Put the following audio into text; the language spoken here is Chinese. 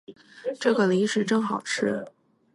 这个零食真好吃